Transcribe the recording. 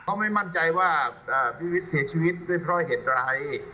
เขาไม่มั่นใจว่าพี่วิทย์เสียชีวิตด้วยเพราะเหตุอะไร